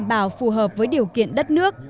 mà vẫn đảm bảo phù hợp với điều kiện đất nước